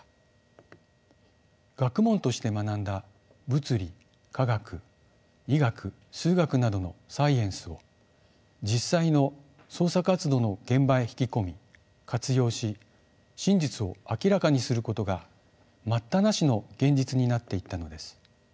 学問として学んだ物理・化学・医学・数学などのサイエンスを実際の捜査活動の現場へ引き込み活用し真実を明らかにすることが待ったなしの現実になっていったのです。